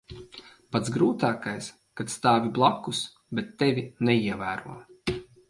Pats grūtākais - kad stāvi blakus, bet tevi neievēro.